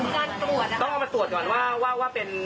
คนที่การตรวจนะครับต้องเอามาตรวจก่อนว่าว่าว่าเป็น